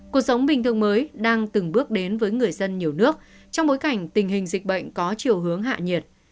cuộc sống bình thường mới đang từng bước đến với người dân nhiều nước trong bối cảnh tình hình dịch bệnh có chiều hướng hạ nhiệt